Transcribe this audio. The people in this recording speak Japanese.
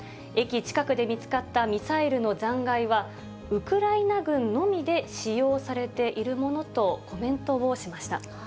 駅近くで見つかったミサイルの残骸は、ウクライナ軍のみで使用されているものとコメントをしました。